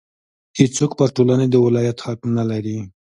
هېڅوک پر ټولنې د ولایت حق نه لري.